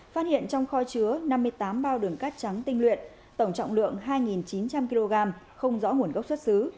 phát hiện trong kho chứa năm mươi tám bao đường cát trắng tinh luyện tổng trọng lượng hai chín trăm linh kg không rõ nguồn gốc xuất xứ